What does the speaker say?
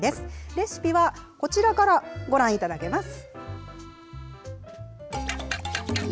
レシピはこちらからご覧いただけます。